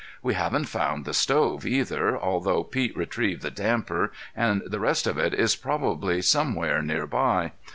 We haven't found the stove, either, although Pete retrieved the damper, and the rest of it is probably somewhere near by.